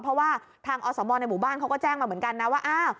เพราะว่าทางอสมในหมู่บ้านเขาก็แจ้งมาเหมือนกันนะว่าอ้าว